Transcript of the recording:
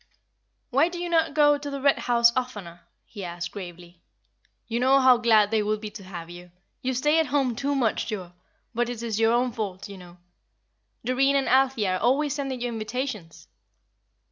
"Why do you not go to the Red House oftener?" he asked, gravely. "You know how glad they would be to have you. You stay at home too much, Joa, but it is your own fault, you know. Doreen and Althea are always sending you invitations."